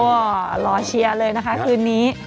ก็รอเชียร์เลยนะคะคืนนี้